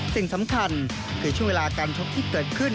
สิ่งสำคัญคือช่วงเวลาการชกที่เกิดขึ้น